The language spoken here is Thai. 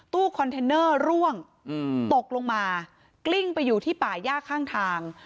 ตู้คอนเทนเนอร์ร่วงตกลงมากลิ้งไปอยู่ที่ป่าย่าข้างทาง